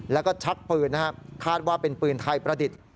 แล้วก็ชักปืนนะครับคาดว่าเป็นปืนไทยประดิษฐ์